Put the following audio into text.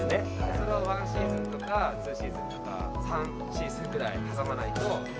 それを１シーズンとか２シーズンとか３シーズンぐらい挟まないと。